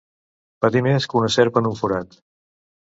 Patir més que una serp en un forat.